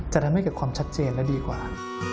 จะทำให้เกิดความชัดเจนและดีกว่า